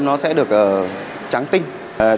nó sẽ được trắng tinh